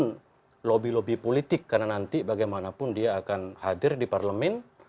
dan lobby lobby politik karena nanti bagaimanapun dia akan hadir di parlemen